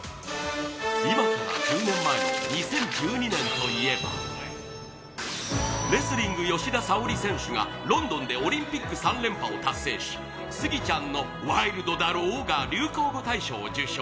今から１０年前の２０１２年といえばレスリング吉田沙保里選手がロンドンでオリンピック３連覇を達成しスギちゃんの「ワイルドだろぉ」が流行語大賞を受賞。